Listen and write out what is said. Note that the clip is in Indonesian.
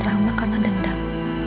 rama karena dendam